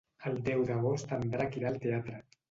El deu d'agost en Drac irà al teatre.